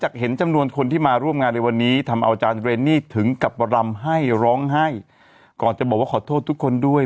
ก่อนจะบอกว่าขอโทษทุกคนด้วย